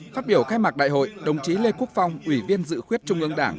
phát biểu khai mạc đại hội đồng chí lê quốc phong ủy viên dự khuyết trung ương đảng